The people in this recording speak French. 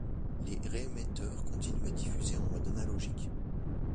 Les ré-émetteurs continuent à diffuser en mode analogique.